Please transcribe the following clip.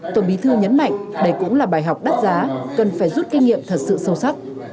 tổng bí thư nhấn mạnh đây cũng là bài học đắt giá cần phải rút kinh nghiệm thật sự sâu sắc